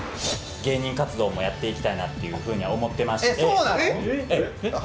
芸人活動もやっていきたいなっていうふうにも思ってまして。